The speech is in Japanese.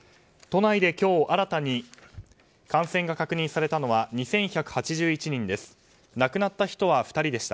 都内で今日新たに感染が確認されたのは２１８１人です。